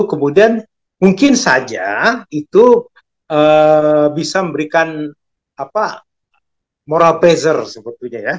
kemudian mungkin saja itu bisa memberikan moral pressure sebetulnya ya